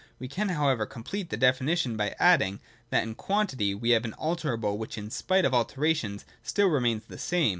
We can, however, complete the definition by adding, that in quantity we have an alterable, which in spite of alterations still remains the same.